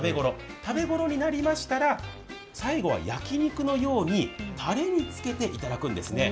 食べ頃になりましたら最後は焼き肉のようにたれにつけていただくんですね。